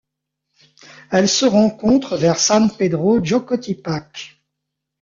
Elle se rencontre vers San Pedro Jocotipac.